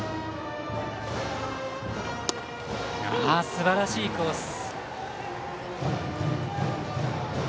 すばらしいコース。